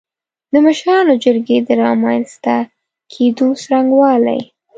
د مشرانو جرګې د رامنځ ته کېدو څرنګوالی